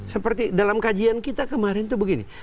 seperti dalam kajian kita kemarin itu begini